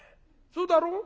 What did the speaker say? そうだろう？